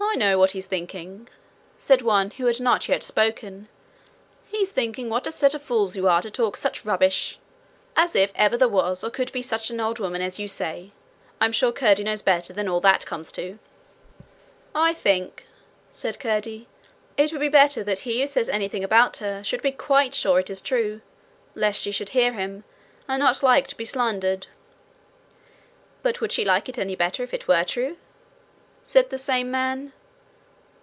'I know what he's thinking,' said one who had not yet spoken; 'he's thinking what a set of fools you are to talk such rubbish; as if ever there was or could be such an old woman as you say! I'm sure Curdie knows better than all that comes to.' 'I think,' said Curdie, 'it would be better that he who says anything about her should be quite sure it is true, lest she should hear him, and not like to be slandered.' 'But would she like it any better if it were true?' said the same man.